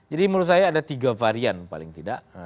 menurut saya ada tiga varian paling tidak